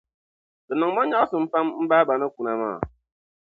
Di niŋ ma nyaɣisim pam n m-baba ni kuna maa.